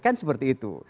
kan seperti itu